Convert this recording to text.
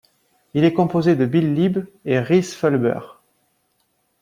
Il est composé de Bill Leeb et Rhys Fulber.